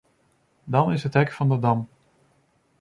Dan is het hek van de dam.